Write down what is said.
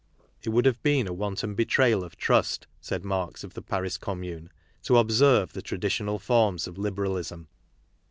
It would have been a wanton be trayal of trust, said Marx of the Paris Commune, to observe the traditional forms of liberalism.